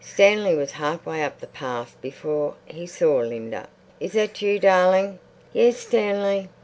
Stanley was half way up the path before he saw Linda. "Is that you, darling?" "Yes, Stanley."